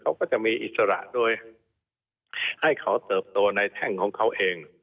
เขาก็จะมีอิสระโดยให้เขาเติบโตในแท่งของเขาเอง